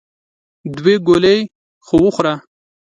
دوې ګولې خو وخوره !